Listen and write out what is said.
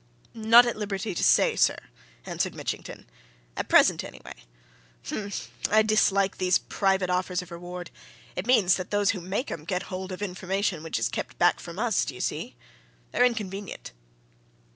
"Not at liberty to say, sir," answered Mitchington. "At present, anyway. Um! I dislike these private offers of reward it means that those who make 'em get hold of information which is kept back from us, d'you see! They're inconvenient."